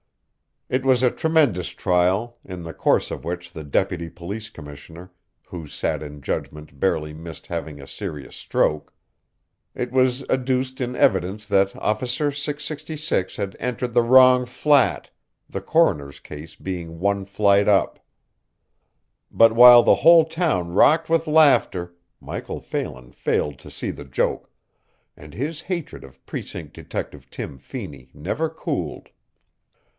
It was a tremendous trial, in the course of which the Deputy Police Commissioner who sat in judgment barely missed having a serious stroke. It was adduced in evidence that Officer 666 had entered the wrong flat, the Coroner's case being one flight up. But while the whole town rocked with laughter Michael Phelan failed to see the joke, and his hatred of Precinct Detective Tim Feeney never cooled.